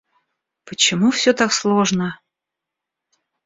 Почему всё так сложно?